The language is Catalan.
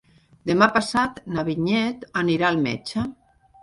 Demà passat na Vinyet anirà al metge.